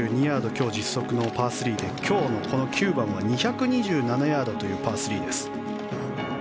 今日、実測のパー３で今日のこの９番は２２７ヤードというパー３です。